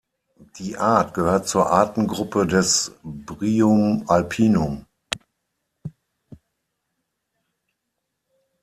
Die Art gehört zur Artengruppe des "Bryum alpinum".